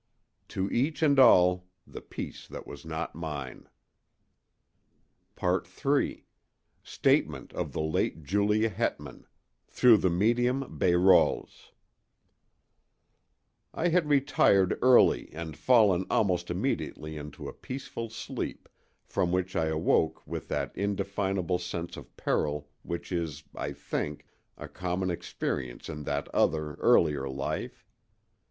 To each and all, the peace that was not mine. III STATEMENT OF THE LATE JULIA HETMAN, THROUGH THE MEDIUM BAYROLLES I had retired early and fallen almost immediately into a peaceful sleep, from which I awoke with that indefinable sense of peril which is, I think, a common experience in that other, earlier life.